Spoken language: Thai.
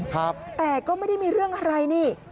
แต่ก็ไม่ได้มีเรื่องอะไรนี่